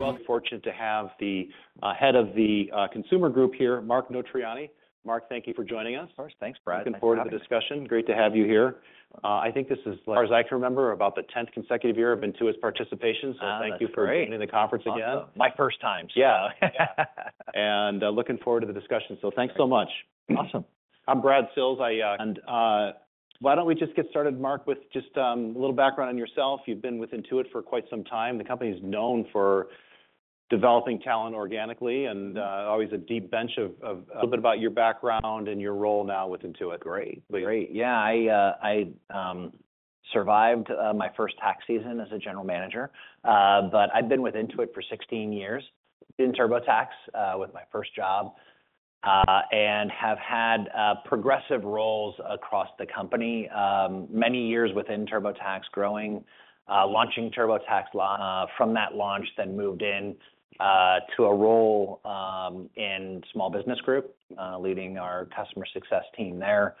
Well, fortunate to have the head of the consumer group here, Mark Notarainni. Mark, thank you for joining us. Of course. Thanks, Brad. Nice to have you. Looking forward to the discussion. Great to have you here. I think this is, as far as I can remember, about the 10th consecutive year of Intuit's participation. Ah, that's great! Thank you for joining the conference again. Awesome. My first time. Looking forward to the discussion. Thanks so much. Awesome. I'm Brad Sills. Why don't we just get started, Mark, with just a little background on yourself. You've been with Intuit for quite some time. The company is known for developing talent organically. A little bit about your background and your role now with Intuit. Great. Great. Yeah, I survived my first tax season as a general manager. But I've been with Intuit for 16 years, in TurboTax, with my first job, and have had progressive roles across the company. Many years within TurboTax, growing, launching TurboTax Live from that launch, then moved in to a role in Small Business Group, leading our customer success team there.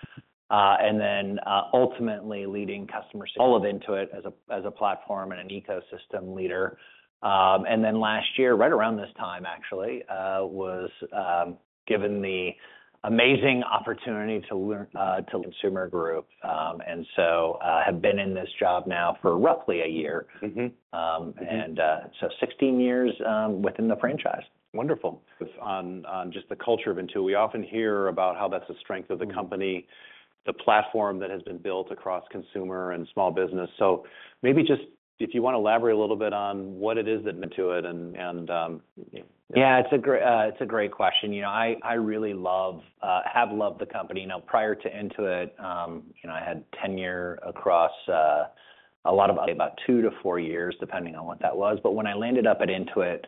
And then, ultimately leading customer success all of Intuit as a platform and an ecosystem leader. And then last year, right around this time, actually, was given the amazing opportunity to lead the Consumer Group. And so, have been in this job now for roughly a year. 16 years within the franchise. Wonderful. On just the culture of Intuit, we often hear about how that's the strength of the company, the platform that has been built across consumer and small business. So maybe just if you want to elaborate a little bit on what it is that Intuit. Yeah, it's a great, it's a great question. You know, I really have loved the company. Now, prior to Intuit, you know, I had tenure across about 2-4 years, depending on what that was. But when I landed up at Intuit,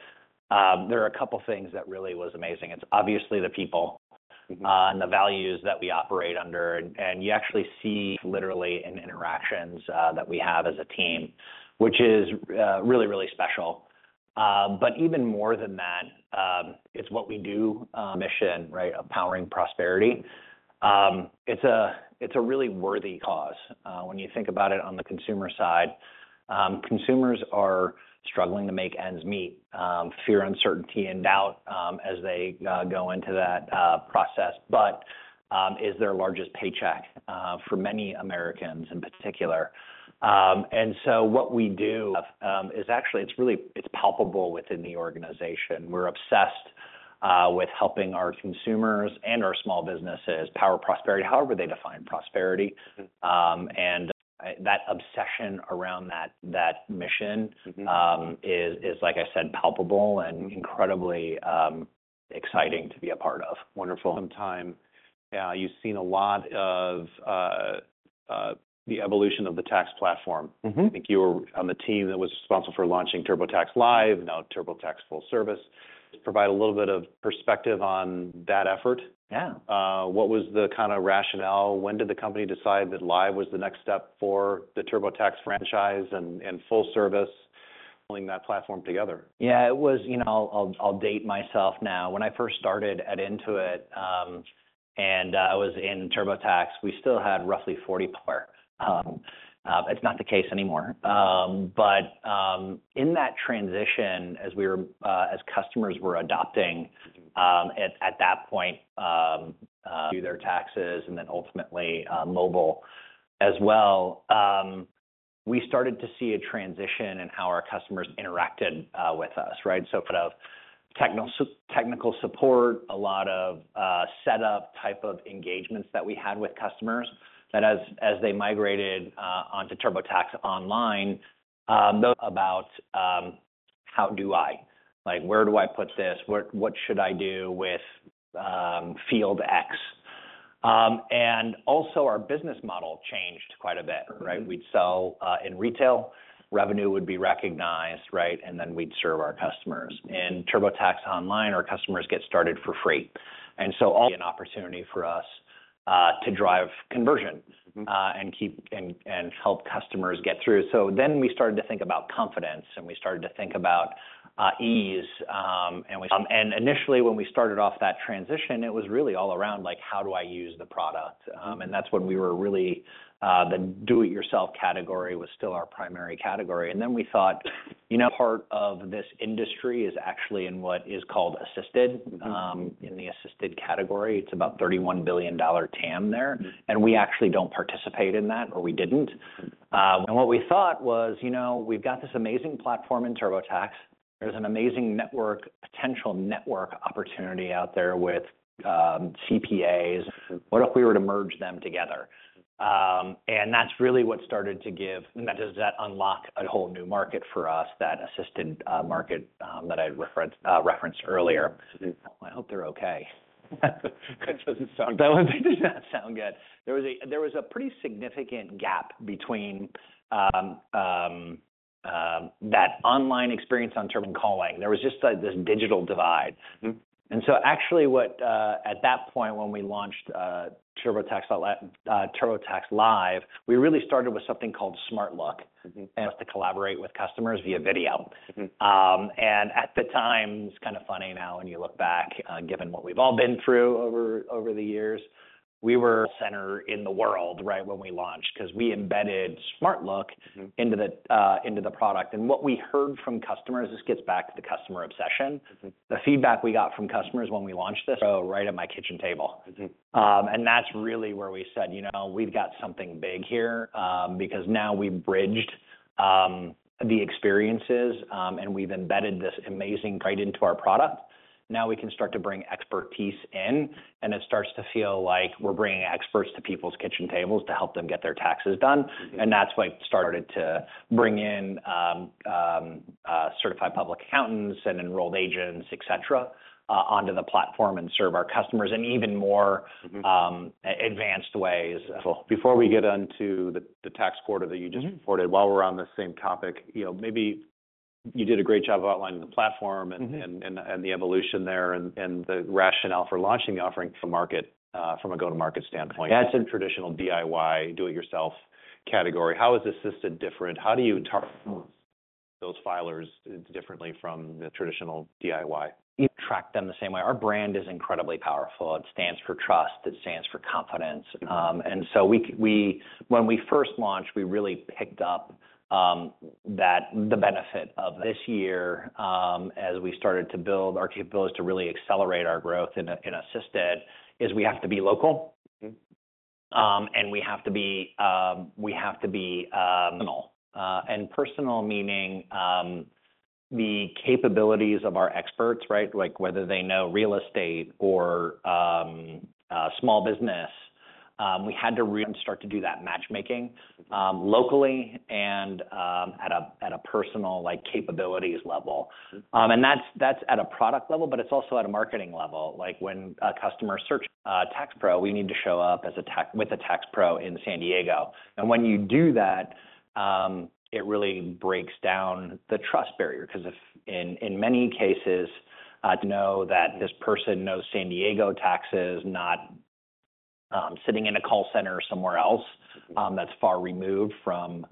there are a couple of things that really was amazing. It's obviously the people and the values that we operate under. And you actually see literally in interactions that we have as a team, which is really, really special. But even more than that, it's what we do mission, right? Of powering prosperity. It's a really worthy cause. When you think about it on the consumer side, consumers are struggling to make ends meet, fear, uncertainty, and doubt, as they go into that process, but is their largest paycheck for many Americans in particular. And so what we do is actually, it's really, it's palpable within the organization. We're obsessed with helping our consumers and our small businesses power prosperity; however, they define prosperity that obsession around that, that mission is, like I said, palpable and incredibly exciting to be a part of. Wonderful. Sometimes, you've seen a lot of the evolution of the tax platform. I think you were on the team that was responsible for launching TurboTax Live, now TurboTax Full Service. Provide a little bit of perspective on that effort. What was the kind of rationale? When did the company decide that Live was the next step for the TurboTax franchise and Full Service, pulling that platform together? Yeah, it was, you know, I'll date myself now. When I first started at Intuit, I was in TurboTax, we still had roughly 40 per, but it's not the case anymore. But in that transition, as customers were adopting, at that point, do their taxes, and then ultimately, mobile as well, we started to see a transition in how our customers interacted with us, right? So sort of technical support, a lot of setup-type of engagements that we had with customers, that as they migrated onto TurboTax Online, about how do I? Like, where do I put this? What should I do with field X? And also our business model changed quite a bit, right? We'd sell, in retail, revenue would be recognized, right? And then we'd serve our customers. In TurboTax Online, our customers get started for free. And so an opportunity for us, to drive conversion and keep and help customers get through. So then we started to think about confidence, and we started to think about ease, and initially, when we started off that transition, it was really all around, like, how do I use the product? And that's when we were really, the do-it-yourself category was still our primary category. And then we thought, you know, part of this industry is actually in what is called Assisted. In the Assisted category, it's about $31 billion TAM there. We actually don't participate in that, or we didn't. What we thought was, you know, we've got this amazing platform in TurboTax. There's an amazing network, potential network opportunity out there with CPAs. What if we were to merge them together? That's really what started to give, that does that unlock a whole new market for us, that Assisted market that I referenced earlier. I hope they're okay. That one did not sound good. There was a pretty significant gap between that online experience on Turbo and calling. There was just this digital divide. And so actually, at that point, when we launched TurboTax Live, we really started with something called SmartLook and to collaborate with customers via video. At the time, it's kind of funny now, when you look back, given what we've all been through over the years, we were center in the world right when we launched, because we embedded SmartLook into the, into the product. What we heard from customers, this gets back to the customer obsession the feedback we got from customers when we launched this, "Oh, right at my kitchen table. And that's really where we said, "You know, we've got something big here," because now we've bridged the experiences, and we've embedded this amazing right into our product. Now we can start to bring expertise in, and it starts to feel like we're bringing experts to people's kitchen tables to help them get their taxes done. That's why we started to bring in certified public accountants and enrolled agents, et cetera, onto the platform and serve our customers in even more- advanced ways. Before we get onto the tax quarter that you just reported, while we're on the same topic, you know, maybe you did a great job of outlining the platform. and the evolution there, and the rationale for launching the offering to market, from a go-to-market standpoint. In traditional DIY, do-it-yourself category, how is Assisted different? How do you target those filers differently from the traditional DIY? You track them the same way. Our brand is incredibly powerful. It stands for trust, it stands for confidence. And so when we first launched, we really picked up that the benefit of this year as we started to build our capabilities to really accelerate our growth in Assisted, is we have to be local. And we have to be personal. And personal meaning the capabilities of our experts, right? Like, whether they know real estate or small business, we had to really start to do that matchmaking locally and at a personal, like, capabilities level. That's at a product level, but it's also at a marketing level. Like, when a customer search tax pro, we need to show up as with a tax pro in San Diego. And when you do that, it really breaks down the trust barrier, 'cause in many cases, to know that this person knows San Diego taxes, not sitting in a call center somewhere else that's far removed from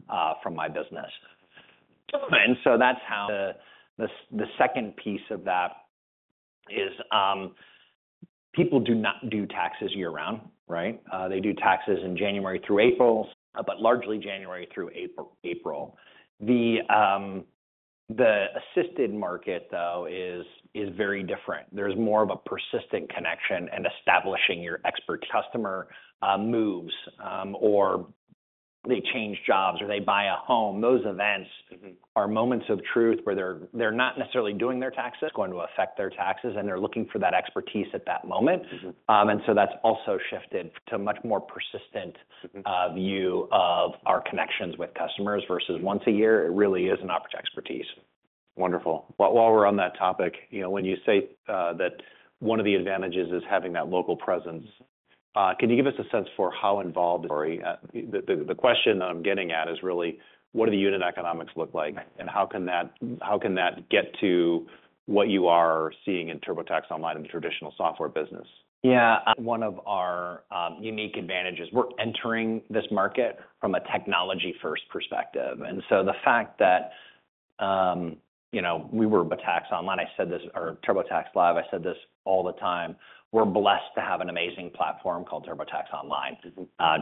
my business. And so that's how the second piece of that is, people do not do taxes year round, right? They do taxes in January through April, but largely January through April. The Assisted market, though, is very different. There's more of a persistent connection and establishing your expert customer moves, or they change jobs, or they buy a home. Those events are moments of truth, where they're, they're not necessarily doing their taxes, going to affect their taxes, and they're looking for that expertise at that moment and so that's also shifted to a much more persistent view of our connections with customers versus once a year. It really is an expert expertise. Wonderful. While we're on that topic, you know, when you say that one of the advantages is having that local presence, can you give us a sense for how involved or the question that I'm getting at is really, what do the unit economics look like? Right. How can that get to what you are seeing in TurboTax Online and the traditional software business? Yeah. One of our unique advantages, we're entering this market from a technology-first perspective. And so the fact that, you know, we were TurboTax Online, I said this- or TurboTax Live, I said this all the time: We're blessed to have an amazing platform called TurboTax Online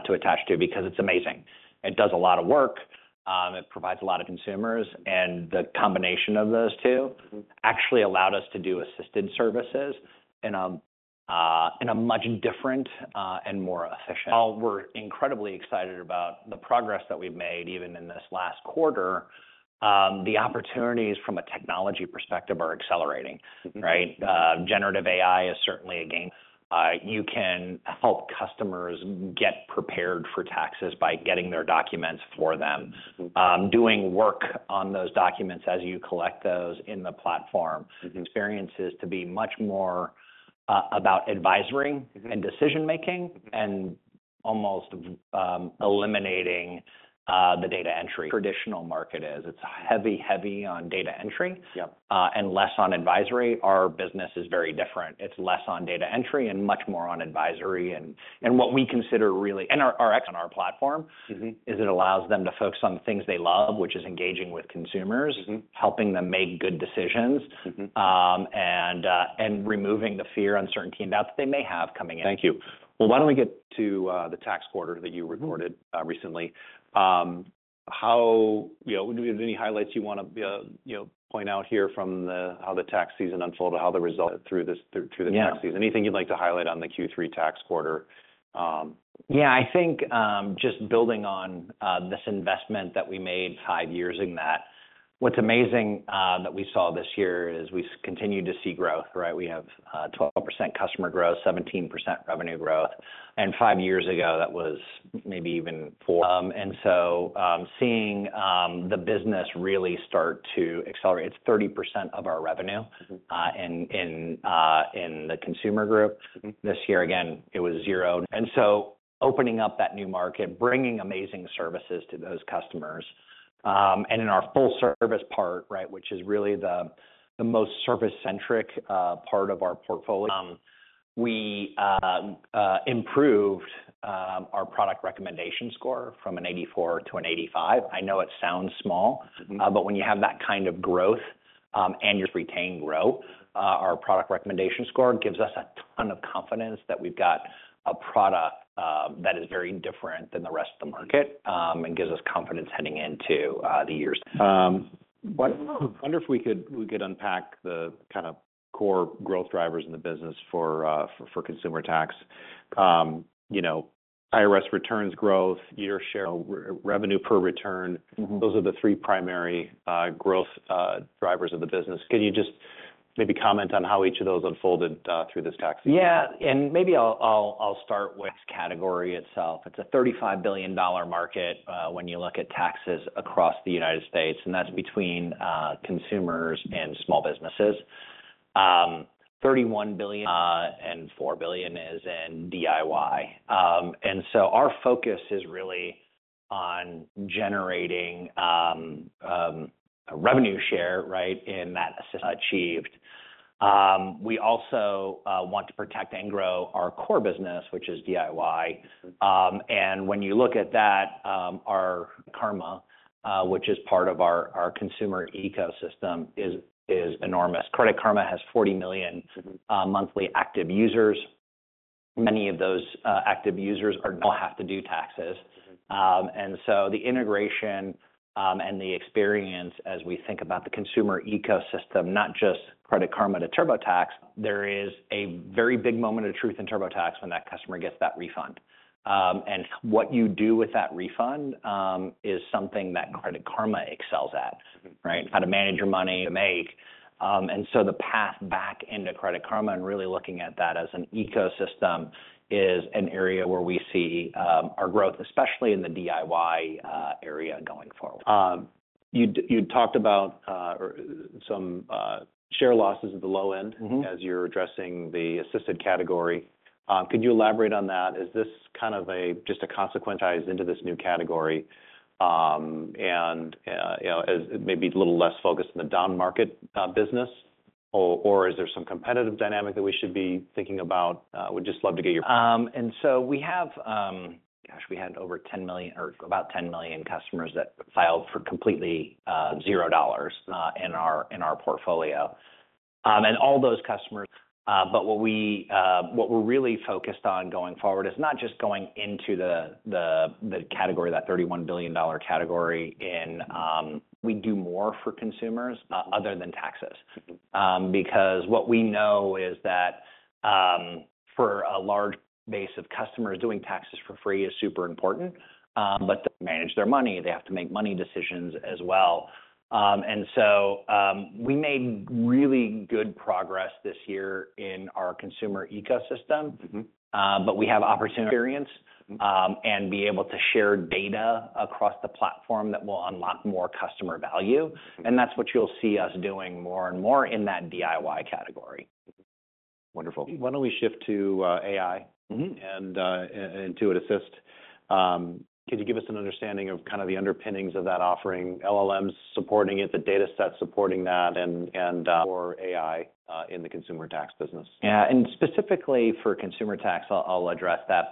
to attach to, because it's amazing. It does a lot of work, it provides a lot of consumers, and the combination of those two actually allowed us to do Assisted services in a, in a much different, and more efficient. While we're incredibly excited about the progress that we've made, even in this last quarter, the opportunities from a technology perspective are accelerating. Right? Generative AI is certainly a game. You can help customers get prepared for taxes by getting their documents for them. Doing work on those documents as you collect those in the platform. Experiences to be much more about advisory and decision making and almost eliminating the data entry. Traditional market is, it's heavy, heavy on data entry and less on advisory. Our business is very different. It's less on data entry and much more on advisory and what we consider really and our on our platform is it allows them to focus on the things they love, which is engaging with consumers helping them make good decisions and removing the fear, uncertainty, and doubt that they may have coming in. Thank you. Well, why don't we get to the tax quarter that you reported recently? Do you have any highlights you wanna, you know, point out here from the, how the tax season unfolded, how the result through this, through, through the tax season? Anything you'd like to highlight on the Q3 tax quarter? Just building on, this investment that we made five years in that, what's amazing is that we saw this year is we continued to see growth, right? We have 12% customer growth, 17% revenue growth, and five years ago, that was maybe even 4%. And so, seeing the business really start to accelerate, it's 30% of our revenue in the Consumer Group. This year, again, it was zero. And so opening up that new market, bringing amazing services to those customers, and in our Full Service part, right, which is really the most service-centric part of our portfolio, we improved our Product Recommendation Score from an 84 to an 85. I know it sounds small but when you have that kind of growth, and you retain growth, our Product Recommendation Score gives us a ton of confidence that we've got a product that is very different than the rest of the market, and gives us confidence heading into the years. I wonder if we could unpack the kind of core growth drivers in the business for consumer tax. You know, IRS returns growth, your share revenue per return. Those are the three primary growth drivers of the business. Could you just maybe comment on how each of those unfolded through this tax season? Yeah, and maybe I'll start with the category itself. It's a $35 billion market when you look at taxes across the United States, and that's between consumers and small businesses. $31 billion and $4 billion is in DIY. And so our focus is really on generating a revenue share, right, in that achieved. We also want to protect and grow our core business, which is DIY. And when you look at that, our Credit Karma, which is part of our consumer ecosystem, is enormous. Credit Karma has 40 million monthly active users. Many of those active users now have to do taxes. And so the integration, and the experience as we think about the consumer ecosystem, not just Credit Karma to TurboTax, there is a very big moment of truth in TurboTax when that customer gets that refund. And what you do with that refund is something that Credit Karma excels at. Right? How to manage your money to make. And so the path back into Credit Karma and really looking at that as an ecosystem is an area where we see our growth, especially in the DIY area going forward. You talked about or some share losses at the low end as you're addressing the Assisted category. Could you elaborate on that? Is this kind of just a consequence into this new category, and, you know, as maybe a little less focused on the downmarket business? Or, or is there some competitive dynamic that we should be thinking about? And so we have, gosh, we had over 10 million or about 10 million customers that filed for completely $0 in our, in our portfolio. And all those customers, but what we, what we're really focused on going forward is not just going into the category, that $31 billion category. We do more for consumers other than taxes. Because what we know is that, for a large base of customers, doing taxes for free is super important. But to manage their money, they have to make money decisions as well. And so, we made really good progress this year in our consumer ecosystem. But we have opportunity experience, and be able to share data across the platform that will unlock more customer value, and that's what you'll see us doing more and more in that DIY category. Wonderful. Why don't we shift to, AI and Intuit Assist. Could you give us an understanding of kind of the underpinnings of that offering, LLMs supporting it, the data set supporting that, and more AI in the consumer tax business? Yeah, and specifically for consumer tax, I'll address that.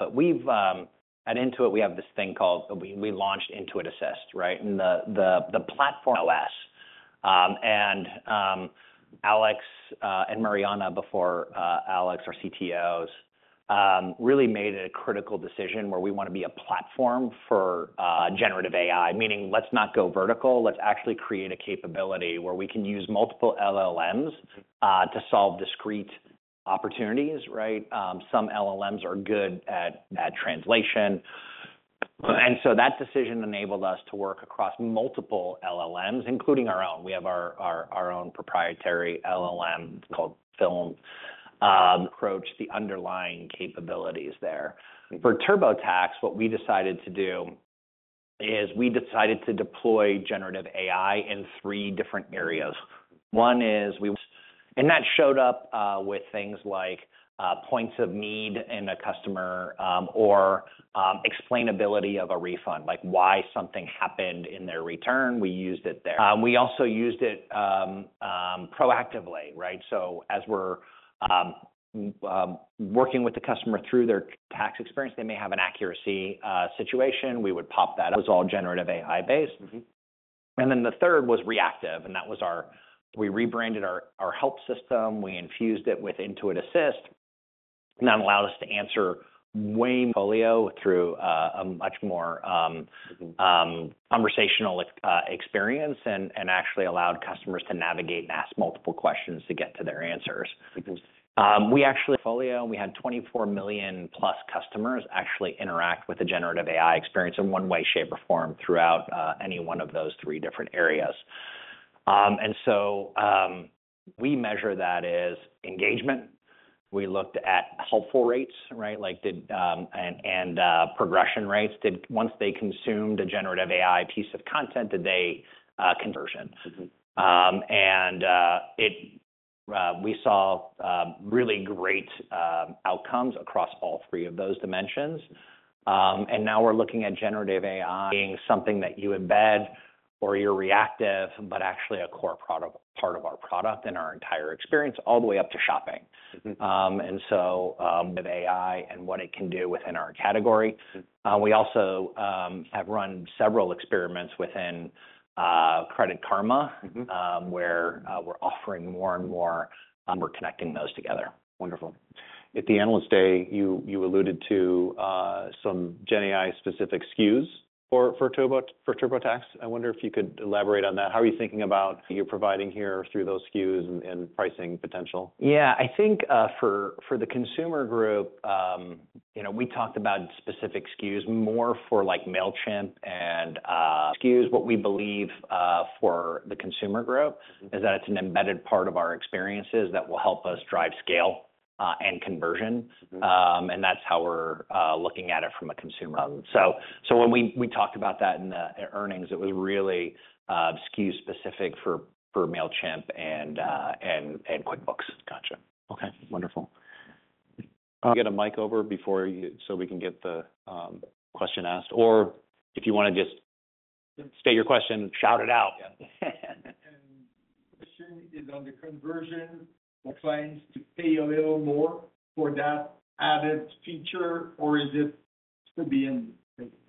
At Intuit, we have this thing called, we launched Intuit Assist, right? And the platform OS. Alex and Marianna before, Alex, our CTOs really made a critical decision where we want to be a platform for generative AI. Meaning, let's not go vertical, let's actually create a capability where we can use multiple LLMs to solve discrete opportunities, right? Some LLMs are good at translation. And so that decision enabled us to work across multiple LLMs, including our own. We have our own proprietary LLM called FinLM, approach the underlying capabilities there. For TurboTax, what we decided to do is we decided to deploy generative AI in three different areas. One is we and that showed up with things like points of need in a customer or explainability of a refund, like why something happened in their return. We used it there. We also used it proactively, right? So as we're working with the customer through their tax experience, they may have an accuracy situation. We would pop that. It was all generative AI-based. And then the third was reactive, and that was, we rebranded our help system. We infused it with Intuit Assist, and that allowed us to answer way more through a much more, conversational experience, and actually allowed customers to navigate and ask multiple questions to get to their answers. We actually, portfolio, we had 24 million+ customers actually interact with the generative AI experience in one way, shape, or form throughout any one of those three different areas. We measure that as engagement. We looked at helpful rates, right? Like progression rates. Once they consumed a generative AI piece of content, did they conversion? We saw really great outcomes across all three of those dimensions. And now we're looking at generative AI being something that you embed or you're reactive, but actually a core product, part of our product and our entire experience, all the way up to shopping. And so, with AI and what it can do within our category. We also have run several experiments within Credit Karma where, we're offering more and more, and we're connecting those together. Wonderful. At the Analyst Day, you alluded to some GenAI specific SKUs for TurboTax. I wonder if you could elaborate on that. How are you thinking about you're providing here through those SKUs and pricing potential? Yeah. I think, for the consumer group, you know, we talked about specific SKUs more for, like, Mailchimp and, SKUs. What we believe, for the consumer group is that it's an embedded part of our experiences that will help us drive scale, and conversion. And that's how we're looking at it from a consumer. So when we talked about that in earnings, it was really SKU-specific for Mailchimp and QuickBooks. Gotcha. Okay, wonderful. Get a mic over before you- so we can get the question asked. Or if you wanna just state your question and shout it out. Yeah. Question is on the conversion for clients to pay a little more for that added feature, or is it still being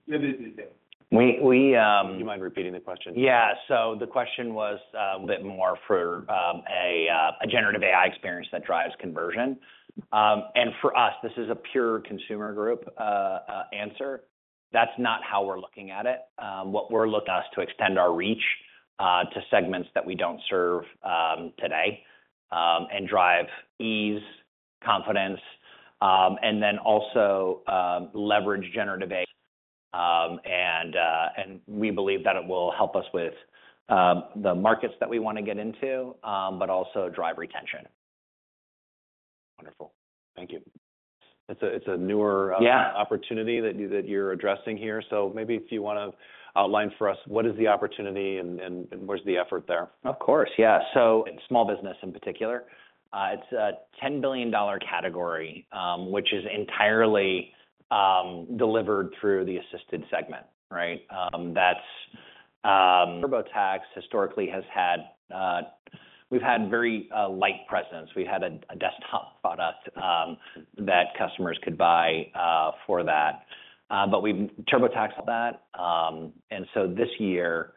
evaluated there? Do you mind repeating the question? Yeah. So the question was, Bit more for a generative AI experience that drives conversion. For us, this is a pure Consumer Group answer. That's not how we're looking at it. What we're looking to extend our reach to segments that we don't serve today and drive ease, confidence, and then also leverage generative AI. And we believe that it will help us with the markets that we wanna get into but also drive retention. Wonderful. Thank you. It's a newer opportunity that you're addressing here. So maybe if you wanna outline for us, what is the opportunity and where's the effort there? Of course, yeah. So in small business, in particular, it's a $10 billion category, which is entirely delivered through the assisted segment, right? That's TurboTax historically, we've had very light presence. We had a desktop product that customers could buy for that. But we've TurboTax that. And so this year,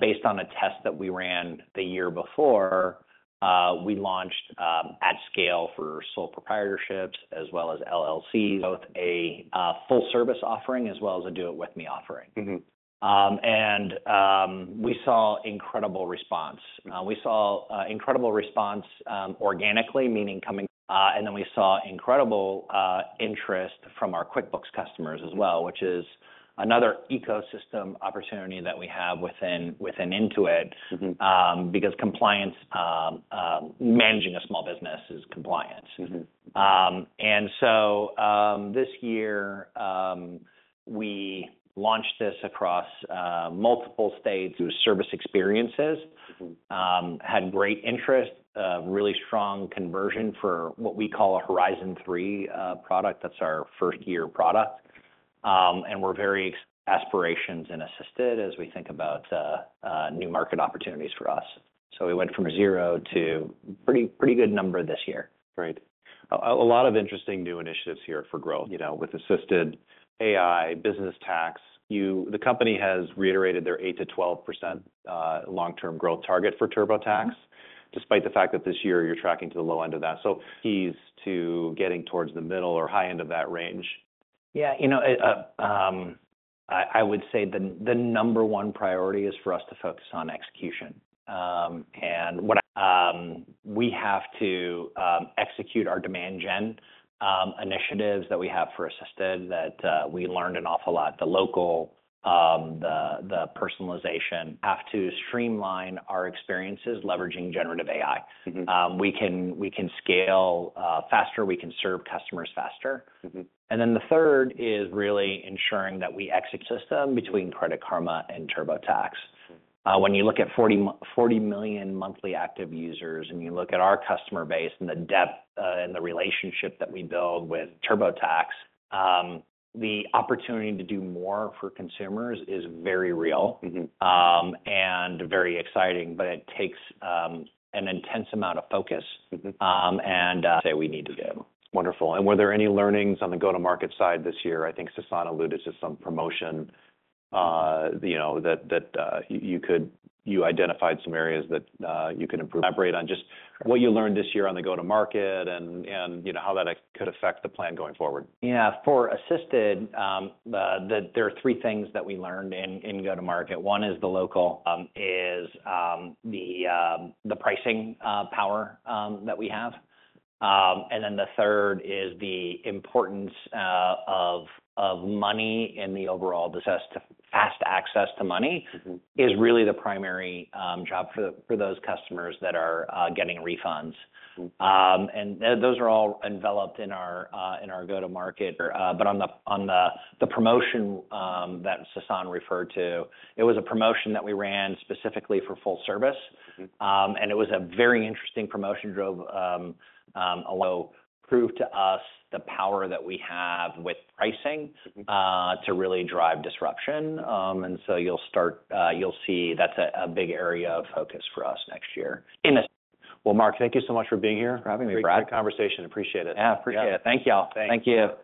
based on a test that we ran the year before, we launched at scale for sole proprietorships as well as LLCs, both a Full-Service offering as well as a do it with me offering. We saw incredible response. We saw incredible response organically, meaning and then we saw incredible interest from our QuickBooks customers as well, which is another ecosystem opportunity that we have within Intuit. Because compliance, managing a small business is compliance. And so, this year, we launched this across multiple states through service experiences. Had great interest, really strong conversion for what we call a Horizon 3 product. That's our first-year product. We're very aspirational and assisted as we think about new market opportunities for us. So we went from zero to pretty, pretty good number this year. Great. A lot of interesting new initiatives here for growth, you know, with Assisted, AI, business tax. You-- the company has reiterated their 8%-12%, long-term growth target for TurboTax despite the fact that this year you're tracking to the low end of that. So keys to getting towards the middle or high end of that range? Yeah. You know, I would say the number one priority is for us to focus on execution. And what we have to execute our demand gen initiatives that we have for Assisted, that we learned an awful lot. The local, the personalization. We have to streamline our experiences, leveraging generative AI. We can scale faster. We can serve customers faster. Then the third is really ensuring that we ecosystem between Credit Karma and TurboTax. When you look at 40 million monthly active users, and you look at our customer base and the depth, and the relationship that we build with TurboTax, the opportunity to do more for consumers is very real and very exciting, but it takes an intense amount of focus and say we need to do. Wonderful. And were there any learnings on the go-to-market side this year? I think Sasan alluded to some promotion, you know, that you identified some areas that you could improve. Elaborate on just what you learned this year on the go-to-market and, you know, how that could affect the plan going forward. Yeah. For Assisted, there are three things that we learned in go-to-market. One is the local pricing power that we have. And then the third is the importance of money in the overall possess to- fast access to money is really the primary, job for, for those customers that are, getting refunds. And those are all enveloped in our, in our go-to-market. But on the promotion that Sasan referred to, it was a promotion that we ran specifically for Full Service. It was a very interesting promotion, drove, although proved to us the power that we have with pricing to really drive disruption. And so you'll see that's a big area of focus for us next year. Well, Mark, thank you so much for being here. Thank you for having me, Brad. Great conversation. Appreciate it. Yeah, appreciate it. Thank you all. Thanks.